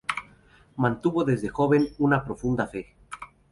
Mantuvo desde joven una profunda fe.